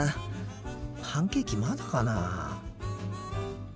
パンケーキまだかな？